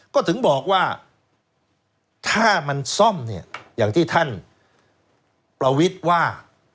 ก็ถึงบอกว่าถ้ามันซ่อมเนี่ยอย่างที่ท่านประวิทย์ว่า